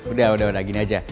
udah udah gini aja